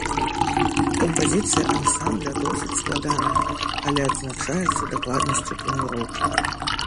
Кампазіцыя ансамбля досыць складаная, але адзначаецца дакладнасцю планіроўкі.